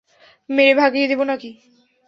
মেরে ভাগিয়ে দিবো নাকি?